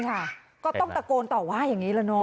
ก็ต้องตะโกนต่อว่าอย่างนี้แล้วเนอ